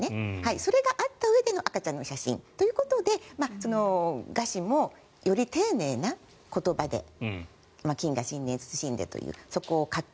それがあったうえでの赤ちゃんの写真ということで賀詞も、より丁寧な言葉で謹賀新年、謹んでというそこを書く。